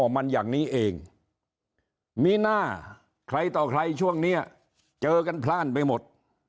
มันอย่างนี้เองมีหน้าใครต่อใครช่วงนี้เจอกันพลาดไปหมด